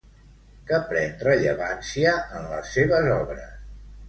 Què pren rellevància en les seves obres?